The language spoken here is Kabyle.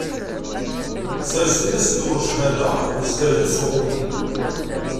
Sers dinna asenduq n cchada, ssedreg-it s uɣummu.